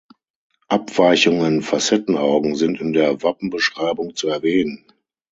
Abweichungen (Facettenaugen) sind in der Wappenbeschreibung zu erwähnen.